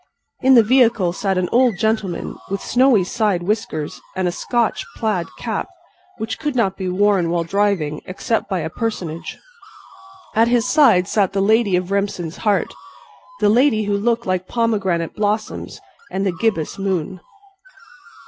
In the vehicle sat an old gentleman with snowy side whiskers and a Scotch plaid cap which could not be worn while driving except by a personage. At his side sat the lady of Remsen's heart—the lady who looked like pomegranate blossoms and the gibbous moon.